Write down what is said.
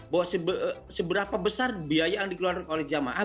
bahwa seberapa besar biaya yang dikeluarkan oleh jamaah